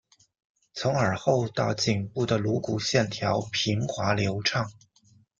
从耳后到颈部的颅骨线条平滑流畅。